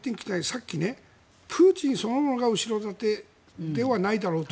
さっきプーチンそのものが後ろ盾ではないだろうと。